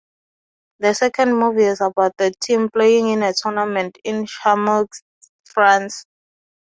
The second movie is about the team playing in a tournament in Chamonix, France.